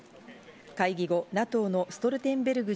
会議後、ＮＡＴＯのストルテンベルグ